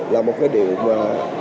là một cái điều mà